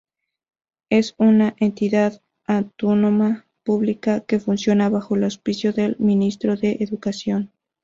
Es una entidad autónoma pública que funciona bajo el auspicio de Ministerio de Educación.